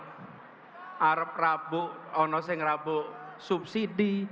harap rabu yang rabu subsidi